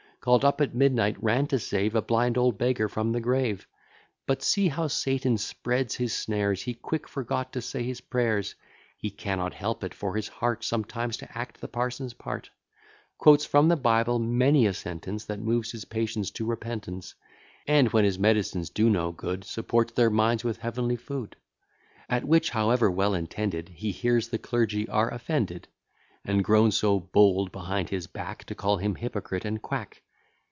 Call'd up at midnight, ran to save A blind old beggar from the grave: But see how Satan spreads his snares; He quite forgot to say his prayers. He cannot help it, for his heart, Sometimes to act the parson's part: Quotes from the Bible many a sentence, That moves his patients to repentance; And, when his medicines do no good, Supports their minds with heavenly food: At which, however well intended, He hears the clergy are offended; And grown so bold behind his back, To call him hypocrite and quack.